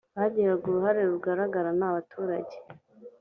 bagiraga uruhare rugaragara ni abaturage